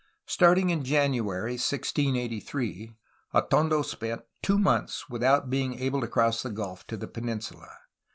Starting in January 1683 Atondo spent two months without being able to cross the gulf to the peninsula.